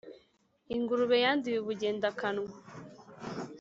Ingurube yanduye ubugendakanwa